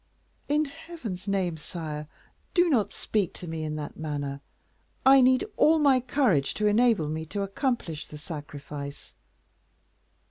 "In Heaven's name, sire, do not speak to me in that manner. I need all my courage to enable me to accomplish the sacrifice."